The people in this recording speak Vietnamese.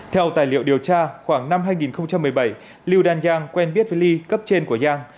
theo tài liệu điều tra khoảng năm hai nghìn một mươi bảy lưu đan giang quen biết với ly cấp trên của giang